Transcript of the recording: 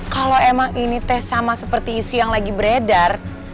kalau emang ini tes sama seperti isu yang lagi beredar